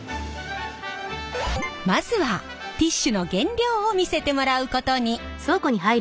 まずはティッシュの原料を見せてもらうことに。